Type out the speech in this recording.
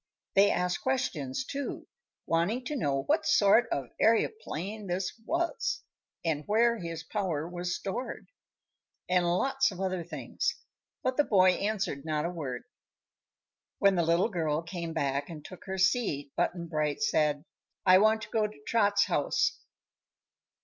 They asked questions, too, wanting to know what sort of an aëroplane this was, and where his power was stored, and lots of other things; but the boy answered not a word. When the little girl came back and took her seat Button Bright said: "I want to go to Trot's house."